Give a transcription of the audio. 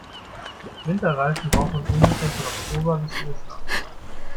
Winterreifen braucht man ungefähr von Oktober bis Ostern.